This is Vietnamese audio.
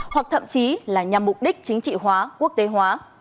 hoặc thậm chí là nhằm mục đích chính trị hóa quốc tế hóa